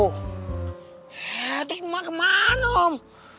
terus mak kemana om